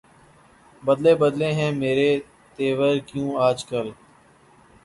بدلے بدلے ہیں میرے تیور کیوں آج کل